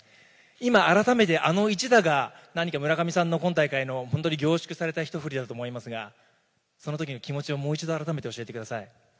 今、改めて、あの一打が何か村上さんの今大会の本当に凝縮された一振りだと思いますが、そのときの気持ちをもう一度改めて教えてください。